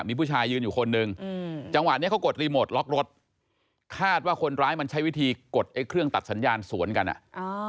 มีผู้ชายยืนอยู่คนหนึ่งอืมจังหวะเนี้ยเขากดรีโมทล็อกรถคาดว่าคนร้ายมันใช้วิธีกดไอ้เครื่องตัดสัญญาณสวนกันอ่ะอ่า